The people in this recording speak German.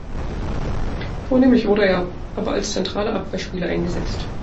Vornehmlich wurde er aber als zentraler Abwehrspieler eingesetzt.